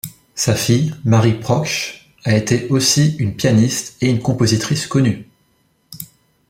Sa fille, Marie Proksch, a été aussi une pianiste et une compositrice connue.